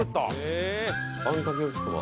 あんかけ焼そば。